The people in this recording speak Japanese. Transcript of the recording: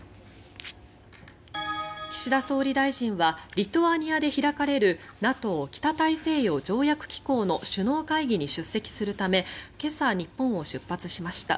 岸田総理大臣はリトアニアで開かれるＮＡＴＯ・北大西洋条約機構の首脳会議に出席するため今朝、日本を出発しました。